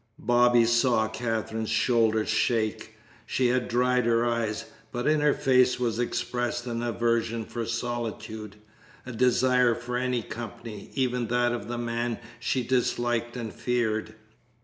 Bobby saw Katherine's shoulders shake. She had dried her eyes, but in her face was expressed an aversion for solitude, a desire for any company, even that of the man she disliked and feared.